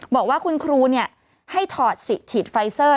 บอกว่าคุณครูให้ถอดสิทธิ์ฉีดไฟเซอร์